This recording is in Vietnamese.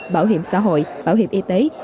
bảo hiểm xã hội bảo hiểm y tế